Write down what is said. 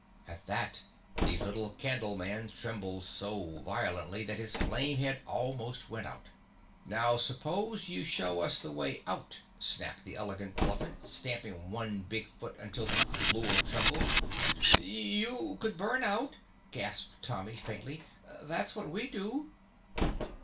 At that the little Candleman trembled so violently that his flame head almost went out. "Now suppose you show us the way out," snapped the Elegant Elephant, stamping one big foot until the floor trembled. "You could burn out!" gasped Tommy faintly. "That's what we do!"